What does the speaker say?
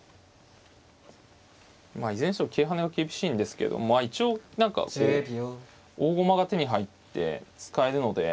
いずれにしても桂跳ねは厳しいんですけど一応何かこう大駒が手に入って使えるので。